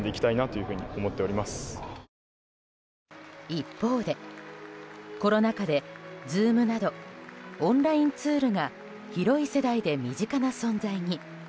一方で、コロナ禍でＺｏｏｍなどオンラインツールが広い世代で身近な存在に。